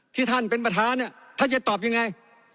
ท่านเป็นประธานเนี่ยท่านจะตอบยังไง